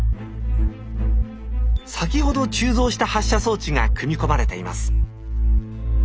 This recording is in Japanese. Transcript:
先ほど鋳造した発射装置が組み込まれています。